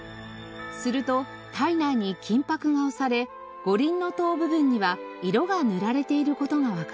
すると体内に金箔が押され五輪塔部分には色が塗られている事がわかりました。